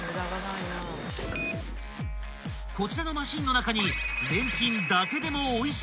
［こちらのマシンの中に］